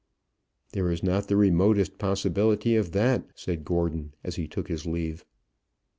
"There is not the remotest possibility of that," said Gordon, as he took his leave.